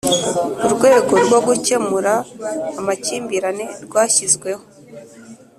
urwego rwo gukemura amakimbirane rwashyizweho